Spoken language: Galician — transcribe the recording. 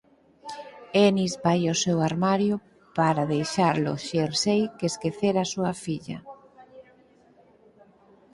Ennis vai ao seu armario para deixar o xersei que esquecera a súa filla.